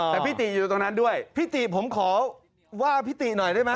แต่พิติอยู่ตรงนั้นด้วยพิติผมขอว่าพิติหน่อยได้มั้ย